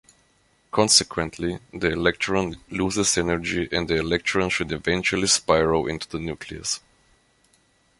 Consequently, the electron loses energy and the electron should eventually spiral into the nucleus.